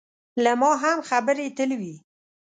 له ما هم خبرې تل وي.